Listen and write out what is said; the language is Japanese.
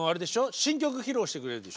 新曲披露してくれるんでしょ。